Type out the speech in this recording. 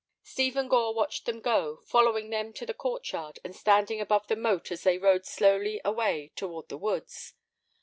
Stephen Gore watched them go, following them to the court yard, and standing above the moat as they rode slowly away toward the woods.